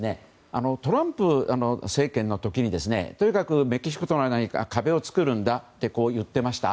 トランプ政権の時にとにかくメキシコとの間に壁を作るんだと言っていました。